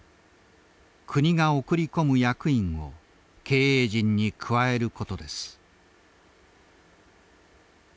国が送り込む役員を経営陣に加えることです。